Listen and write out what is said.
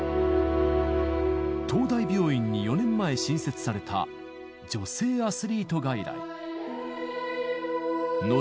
東大病院に４年前、新設された女性アスリート外来。